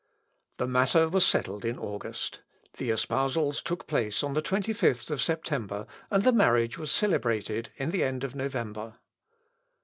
The matter was settled in August. The espousals took place on the 25th of September, and the marriage was celebrated in the end of November.